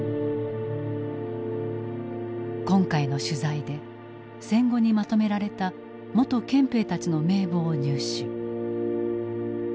今回の取材で戦後にまとめられた元憲兵たちの名簿を入手。